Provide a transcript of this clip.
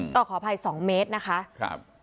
ก็ขออภัย๒เมตรนะคะ